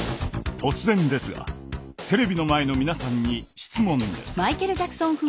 突然ですがテレビの前の皆さんに質問です。